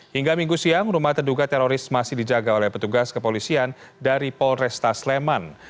hingga minggu siang rumah terduga teroris masih dijaga oleh petugas kepolisian dari polresta sleman